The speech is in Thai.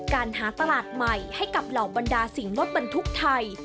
การหาตลาดใหม่ให้กับเหล่าบรรดาสิ่งรถบรรทุกไทย